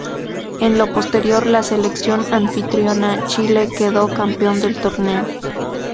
En lo posterior, la selección anfitriona Chile, quedó campeón del torneo.